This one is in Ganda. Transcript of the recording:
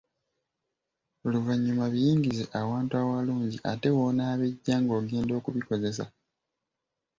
Oluvannyuma biyingize awantu awalungi ate w‘onoobijja ng‘ogenda okubikozesa.